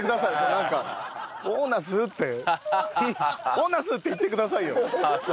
「ボーナス！」って言ってくださいよ。